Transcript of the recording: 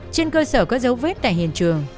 trên cơ sở có dấu vết tài hiển truyền